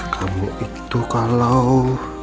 kamu itu kalau